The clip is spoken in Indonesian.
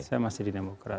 saya masih di demokrat